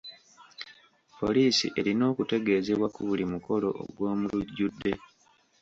Poliisi erina okutegeezebwa ku buli mukolo ogw'omulujjudde.